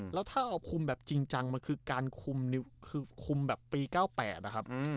แล้วถ้าเอาคุมแบบจริงจังมันคือการคุมปี๙๘อะครับ